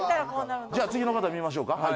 じゃあ次の方見ましょうか。